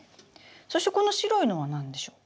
そしてこの白いのは何でしょう？